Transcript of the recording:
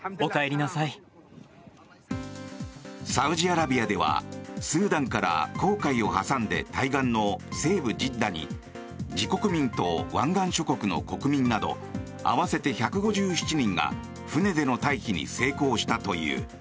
サウジアラビアではスーダンから紅海を挟んで対岸の西部ジッダに自国民と湾岸諸国の国民など合わせて１５７人が船での退避に成功したという。